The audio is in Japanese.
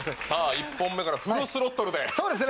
１本目からフルスロットルでそうですね